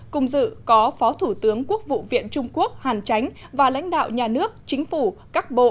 cùng dự có phó thủ tướng quốc vụ viện trung quốc hàn chánh và lãnh đạo nhà nước chính phủ các bộ